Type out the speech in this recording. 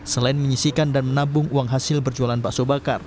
selain menyisikan dan menabung uang hasil berjualan bakso bakar